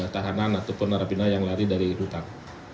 tahanan ataupun narabina yang lari dari hutang